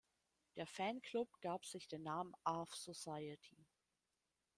Der Fan-Club gab sich den Namen "Arf Society".